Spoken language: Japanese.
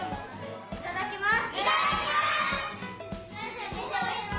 いただきます。